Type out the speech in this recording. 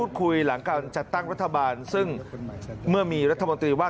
ดูขั้นตอนนี้เถอะ